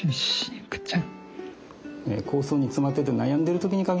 ふくちゃん。